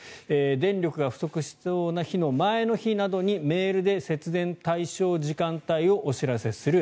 電力が不足しそうな日の前の日でメールで節電対象時間帯をお知らせする。